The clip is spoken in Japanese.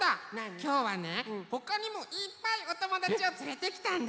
きょうはねほかにもいっぱいおともだちをつれてきたんだ。